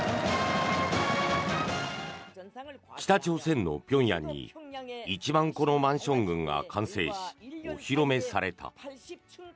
北朝鮮の平壌に１万戸のマンション群が完成しお披露目された。